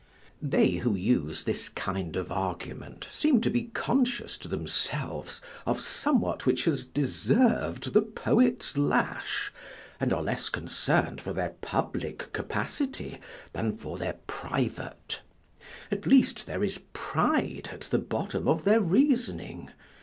They who use this kind of argument seem to be conscious to themselves of somewhat which has deserv'd the poet's lash, and are less concern'd for their public capacity than for their private; at least there is pride at the bottom of their reasoning.